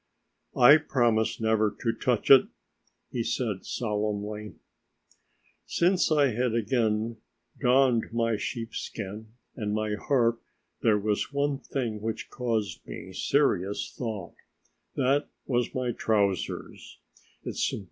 "I promise never to touch it," he said solemnly. Since I had again donned my sheepskin and my harp there was one thing which caused me serious thought. That was my trousers.